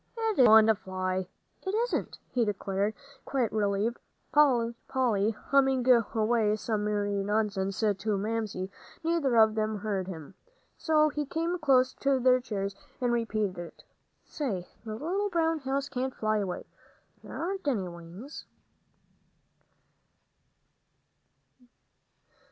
"It isn't going to fly it isn't," he declared, quite relieved. Polly humming away some merry nonsense to Mamsie, neither of them heard him. So he came close to their chairs and repeated it: "Say, the little brown house can't fly away there ain't any wings."